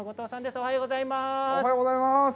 おはようございます。